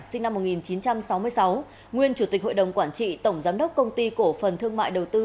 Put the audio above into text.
sinh năm một nghìn chín trăm sáu mươi sáu nguyên chủ tịch hội đồng quản trị tổng giám đốc công ty cổ phần thương mại đầu tư